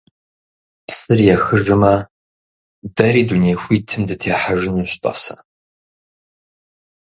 Псыр ехыжмэ, дэри дуней хуитым дытехьэжынущ, тӀасэ!